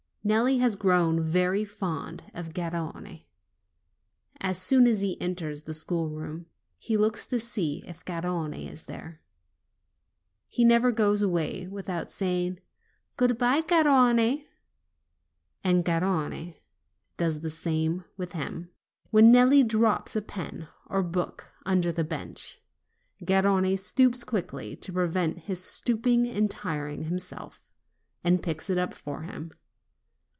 Nelli has grown very fond of Garrone. As soon as he enters the schoolroom he looks to see if Garrone is there. He never goes away without saying, "Good bye, Gar rone," and Garrone does the same with him. When Nelli drops a pen or a book under the bench, Garrone stoops quickly, to prevent his stooping and tiring him self, and picks it up for him.